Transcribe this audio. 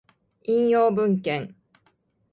引用文献